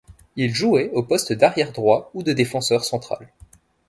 Il jouait au poste d'arrière droit ou de défenseur central.